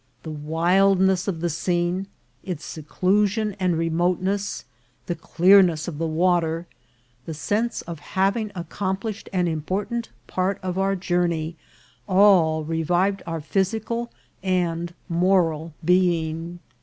The wildness of the scene, its seclusion and remoteness, the clearness of the water, the sense of having accomplished an important part of our journey, all revived our physical and moral being.